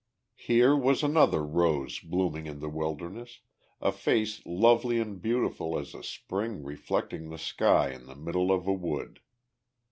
Here was another rose blooming in the wilderness, a face lovely and beautiful as a spring reflecting the sky in the middle of a wood.